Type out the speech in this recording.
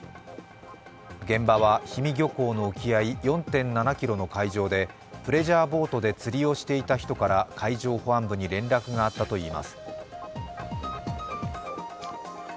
現場は氷見漁港の沖合４．７ｋｍの海上でプレジャーボートで釣りをしていた人から海上保安部に連絡があったといいます。